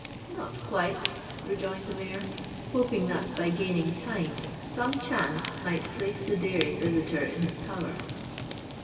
"—"Not quite," rejoined the Mayor, hoping that by gaining time, some chance might place the daring visitor in his power.